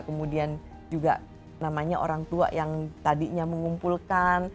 kemudian juga namanya orang tua yang tadinya mengumpulkan